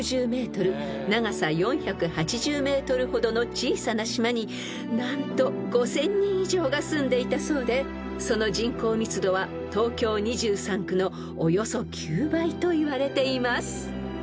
長さ４８０ｍほどの小さな島に何と５，０００人以上が住んでいたそうでその人口密度は東京２３区のおよそ９倍といわれています］